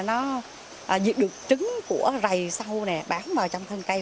nó diệt được trứng của rầy sâu này bán vào trong thân cây